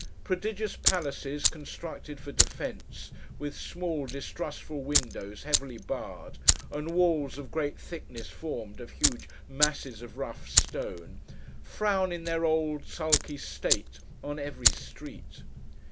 Prodigious palaces, constructed for defence, with small distrustful windows heavily barred, and walls of great thickness formed of huge masses of rough stone, frown, in their old sulky state, on every street.